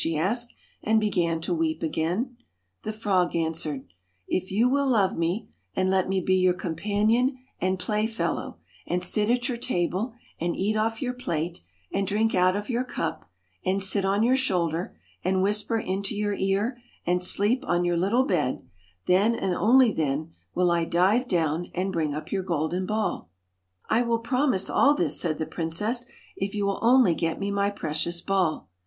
she asked, and began to weep again. The frog answered :' If you will love me, and let me be your companion and playfellow, and sit at your table, and eat off your plate, and drink out of your cup, and sit on your shoulder, and whisper into your ear, and sleep on your little bed, then and only then will I dive down and bring up your golden ball.' r l will promise all this,' said the princess, ' if you will only get me my precious ball.'